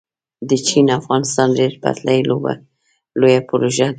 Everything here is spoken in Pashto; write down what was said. د چین - افغانستان ریل پټلۍ لویه پروژه ده